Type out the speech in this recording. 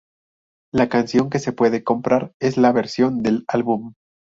La canción que se puede comprar es la versión del álbum.